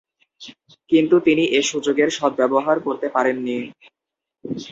কিন্তু তিনি এ সুযোগের সদ্ব্যবহার করতে পারেননি।